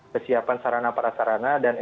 kesiapan sarana parasarana dan